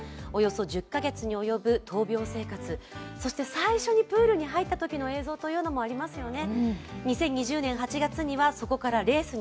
最初にプールに入ったときの映像もありますよね。